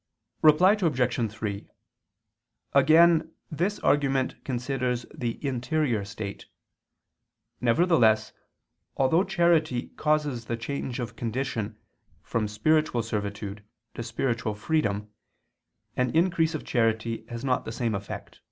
Reply Obj. 3: Again this argument considers the interior state. Nevertheless, although charity causes the change of condition from spiritual servitude to spiritual freedom, an increase of charity has not the same effect.